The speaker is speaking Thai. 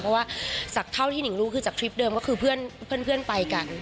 เพราะว่าสักเท่าที่หนิ่งรู้คือจากทริปเดิมก็คือเพื่อนไปกัน